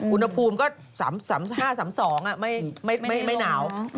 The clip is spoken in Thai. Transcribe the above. อุณหภูมิก็๕๓๒ไม่หนาว